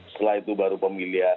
setelah itu baru pemilihan